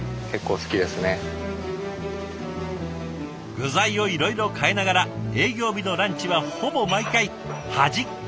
具材をいろいろ変えながら営業日のランチはほぼ毎回端っこ